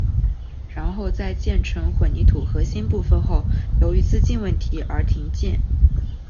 然而在建成混凝土核心部分后由于资金问题而停建。